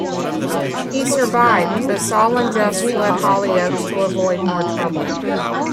He survived, but Sol and Jess fled Hollyoaks to avoid more trouble.